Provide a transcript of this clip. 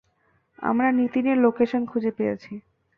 আমরা নিতিনের লোকেশান খুঁজে পেয়েছি।